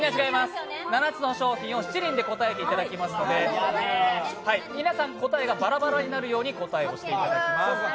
７つの商品を７人で答えていただきますので皆さん、答えがバラバラになるように答えをしていただきます。